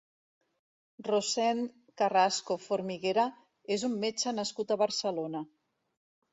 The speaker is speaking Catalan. Rossend Carrasco Formiguera és un metge nascut a Barcelona.